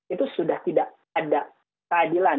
itu sudah tidak ada keadilan